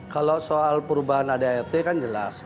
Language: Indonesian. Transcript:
kalau soal perubahan adrt kan jelas